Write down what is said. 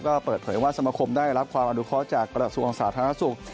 ก็เปิดเผยว่าสมคมได้รับความราดูข้อจากกฎศูนย์องศาสตร์ธรรมนักศึกษ์